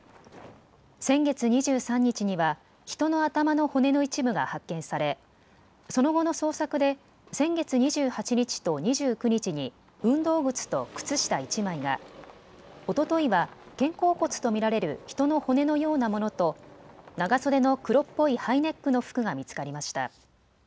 先月２３日には、人の頭の骨の一部が発見され、その後の捜索で、先月２８日と２９日に、運動靴と靴下１枚が、おとといは肩甲骨と見られる人の骨のようなものと、長袖の黒っぽいハイネックの服が見つかりました。